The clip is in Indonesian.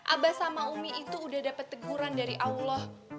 abah sama umi itu udah dapat teguran dari allah